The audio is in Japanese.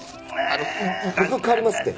あの僕代わりますって。